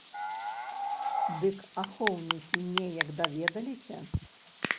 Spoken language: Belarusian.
Дык ахоўнікі неяк даведаліся.